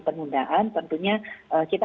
penundaan tentunya kita